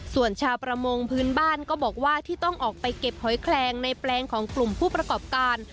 ส่วนชาวประมงพื้นบ้านก็บอกว่าที่ต้องออกไปเก็บหอยแคลงในแปลงของกลุ่มผู้ประกอบการ